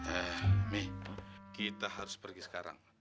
eh mih kita harus pergi sekarang